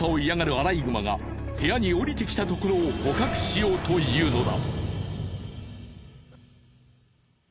アライグマが部屋に降りてきたところを捕獲しようというのだ。